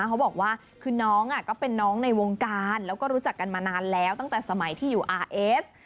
เขาบอกว่าคือน้องก็เป็นน้องในวงการแล้วก็รู้จักกันมานานแล้วตั้งแต่สมัยที่อยู่อาร์เอส